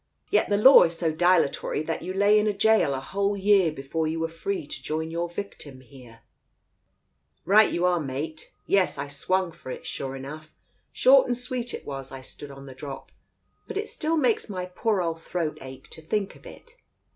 Yet the law is so dilatory that you lay in gaol a whole year before you were free to join your victim here ?" "Right you are, mate. Yes, I swung for it, sure enough. Short and sweet it was once I stood on the drop, but it still makes my poor old throat ache to think of it."